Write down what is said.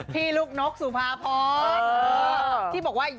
พี่ลูกนกสุภาพอร์ต